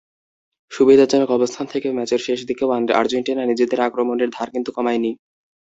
সুবিধাজনক অবস্থানে থেকেও ম্যাচের শেষ দিকেও আর্জেন্টিনা নিজেদের আক্রমণের ধার কিন্তু কমায়নি।